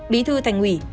bí thư thành ủy